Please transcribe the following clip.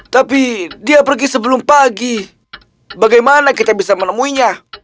tapi dia pergi sebelum pagi bagaimana kita bisa menemuinya